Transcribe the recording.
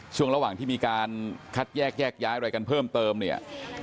ช่วงระหว่างที่มีการคัดแยกแยกย้ายอะไรกันเพิ่มเติมเนี่ย